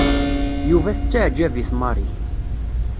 Yuba tettaɛǧab-it Mary.